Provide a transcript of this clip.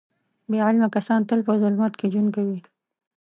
بې علمه کسان تل په ظلمت کې ژوند کوي.